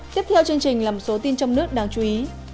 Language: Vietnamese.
tiếp theo chương trình làm số tin trong nước đáng chú ý